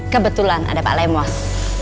kebetulan ada pak lemos